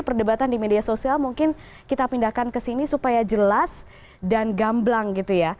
perdebatan di media sosial mungkin kita pindahkan ke sini supaya jelas dan gamblang gitu ya